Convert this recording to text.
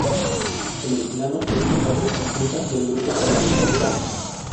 En el Senado es portavoz adjunta del grupo parlamentario vasco.